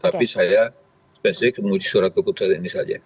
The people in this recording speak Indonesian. tapi saya spesifik menguji surat keputusan ini saja